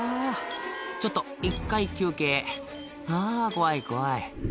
「ちょっと一回休憩」「あぁ怖い怖い」